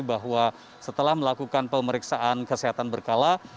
bahwa setelah melakukan pemeriksaan kesehatan berkala